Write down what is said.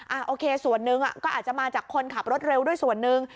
โอเคส่วนหนึ่งก็อาจจะมาจากคนขับรถเร็วด้วยส่วนหนึ่ง